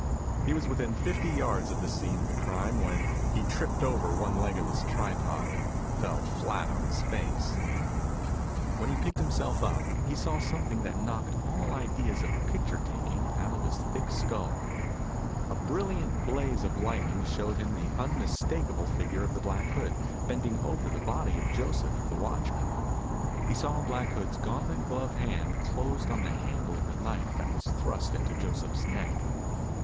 He was within fifteen yards of the scene of the crime when he tripped over one leg of his tripod and fell flat on his face. When he picked himself up, he saw something that knocked all ideas of picture taking out of his thick skull. A brilliant blaze of lightning showed him the unmistakable figure of the Black Hood bending over the body of Joseph, the watchman. He saw Black Hood's gauntlet gloved hand closed on the handle of the knife that was thrust into Joseph's neck.